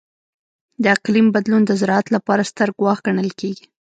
د اقلیم بدلون د زراعت لپاره ستر ګواښ ګڼل کېږي.